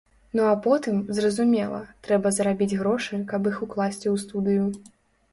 Ну, а потым, зразумела, трэба зарабіць грошы, каб іх укласці ў студыю.